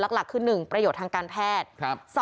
ลักษณ์หลักคือหนึ่งประโยชน์ทางการแพทย์